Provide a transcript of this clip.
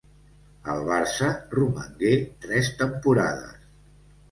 Al Barça romangué tres temporades.